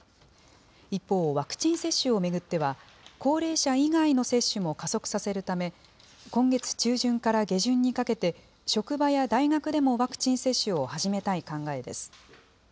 一方、ワクチン接種を巡っては、高齢者以外の接種も加速させるため、今月中旬から下旬にかけて、職場や大学でもワクチン接種を始めたい考えです。